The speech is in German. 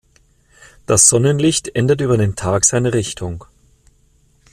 Das Sonnenlicht ändert über den Tag seine Richtung.